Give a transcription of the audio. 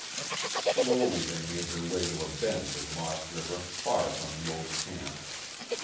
Slowly they made their way to a bend in Lost River far from the old camp.